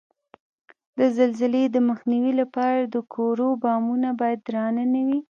د زلزلې د مخنیوي لپاره د کورو بامونه باید درانه نه وي؟